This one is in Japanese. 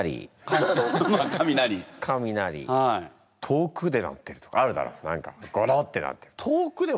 遠くで鳴ってるとかあるだろう何かゴロッて鳴って。